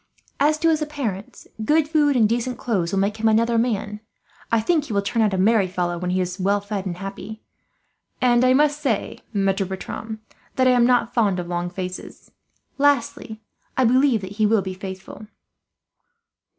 As to his appearance, good food and decent clothes will make him another man. I think he will turn out a merry fellow, when he is well fed and happy; and I must say, Maitre Bertram, that I am not fond of long faces. Lastly, I believe that he will be faithful."